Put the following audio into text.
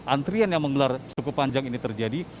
antrian yang menggelar cukup panjang ini terjadi